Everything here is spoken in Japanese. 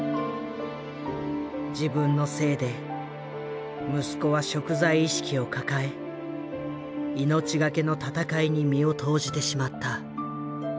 自分のせいで息子は贖罪意識を抱え命懸けの闘いに身を投じてしまった。